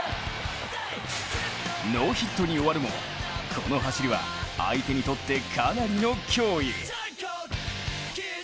ノーヒットに終わるもこの走りは相手にとってかなりの脅威。